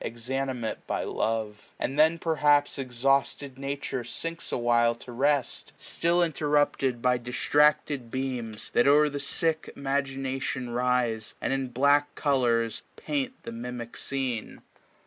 Exanimate by love : and then perhaps Exhausted Nature sinks a while to rest; 1050 Still interrupted by distracted dreams. That o'er the sick imagination rise. And in black colours paint the mimic scene.